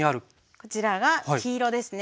こちらが黄色ですね。